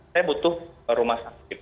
saya butuh rumah sakit